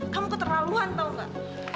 kamu keterlaluan tahu gak